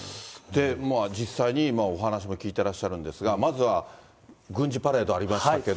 実際にお話も聞いてらっしゃるんですが、まずは軍事パレードありましたけど。